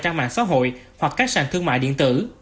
trang mạng xã hội hoặc các sàn thương mại điện tử